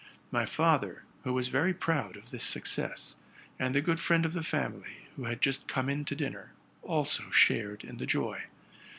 My father was very proud of this success ; and the good friend of the family, who had just come in to dinner, also shared in the joy.